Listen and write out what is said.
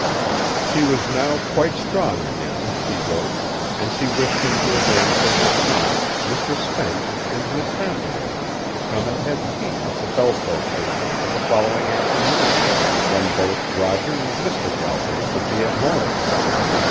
She was now quite strong again, she wrote, and she wished him to arrange for his aunt, Mr. Spence and Miss Hathaway to come and have tea with the Belleport family on the following afternoon, when both Roger and Mr. Galbraith would be at home.